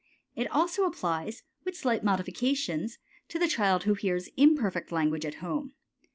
It also applies, with slight modifications, to the child who hears imperfect language at home.